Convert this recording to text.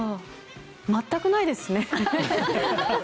全くないですね。